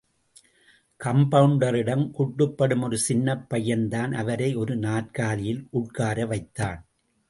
கம்பவுண்டரிடம் குட்டுப்படும் ஒரு சின்னப் பையன்தான் அவரை ஒரு நாற்காலியில் உட்கார வைத்தான்.